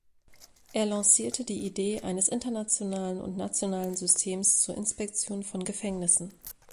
Er lancierte die Idee eines internationalen und nationalen Systems zur Inspektion von Gefängnissen.